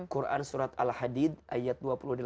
quran surat al hadid ayat dua puluh delapan